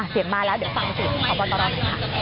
เสียงมาแล้วเดี๋ยวฟังสิขอบคุณตลอด